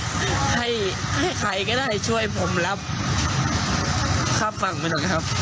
ผมอยากให้ทุกคนแชร์ให้ใครก็ได้ช่วยผมรับค่าฝั่งไปหน่อยครับ